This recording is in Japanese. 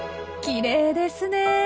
きれいですね！